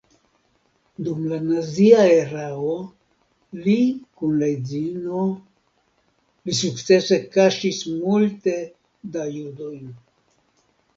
Dum la nazia erao li kun la edzino li sukcese kaŝis multe da judojn.